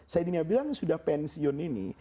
sayyidina bilal sudah pensiun ini